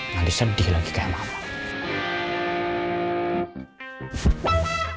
nanti sedih lagi kayak mama